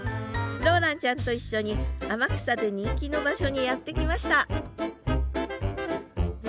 ローランちゃんと一緒に天草で人気の場所にやって来ました